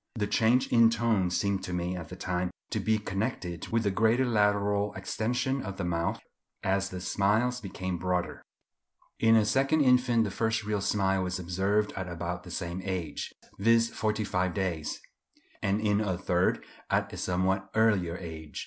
The change in tone seemed to me at the time to be connected with the greater lateral extension of the mouth as the smiles became broader. In a second infant the first real smile was observed at about the same age, viz. forty five days; and in a third, at a somewhat earlier age.